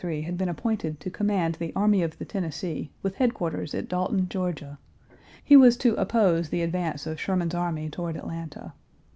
General Johnston in 1863 had been appointed to command the Army of the Tennessee, with headquarters at Dalton, Georgia. He was to oppose the advance of Sherman's army toward Atlanta.